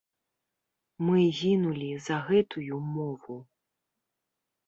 Мы гінулі за гэтую мову.